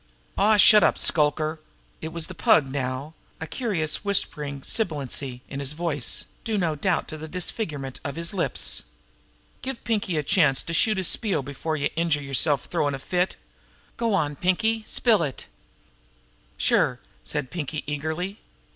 "Aw, shut up, Shluker!" It was the Pug now, a curious whispering sibilancy in his voice, due no doubt to the disfigurement of his lips. "Give Pinkie a chance to shoot his spiel before youse injure yerself throwin' a fit! Go on, Pinkie, spill it." "Sure!" said Pinkie eagerly.